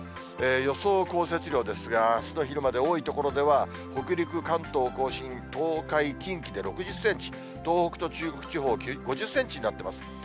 予想降雪量ですが、あすの昼まで多い所では、北陸、関東甲信、東海、近畿で６０センチ、東北と中国地方、５０センチになってます。